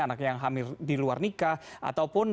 anak yang hamil di luar nikah ataupun